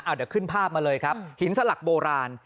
เดี๋ยวขึ้นภาพมาเลยครับหินสลักโบราณ